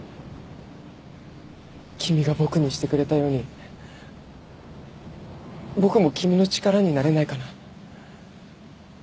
君が僕にしてくれたように僕も君の力になれないかな？